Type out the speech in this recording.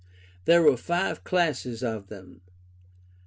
There were five "Classes" of them.